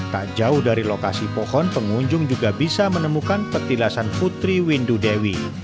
tak jauh dari lokasi pohon pengunjung juga bisa menemukan petilasan putri windu dewi